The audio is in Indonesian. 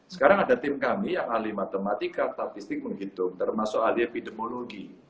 sekarang ada tim kami yang ahli matematika statistik menghitung termasuk ahli epidemiologi